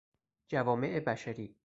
جوامع بشری